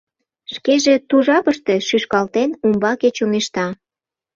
Шкеже ту жапыште шӱшкалтен, умбаке чоҥешта.